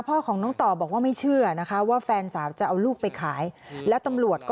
พ่อของน้องต่อบอกว่าไม่เชื่อนะคะว่าแฟนสาวจะเอาลูกไปขายแล้วตำรวจก็